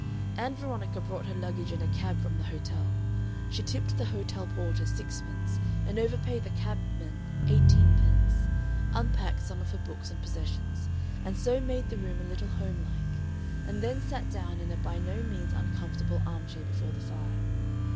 Ann Veronica brought her luggage in a cab from the hotel; she tipped the hotel porter sixpence and overpaid the cabman eighteenpence, unpacked some of her books and possessions, and so made the room a little homelike, and then sat down in a by no means uncomfortable arm chair before the fire.